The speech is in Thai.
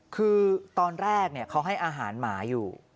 คือตอนแรกเขาให้อาหารหมาอยู่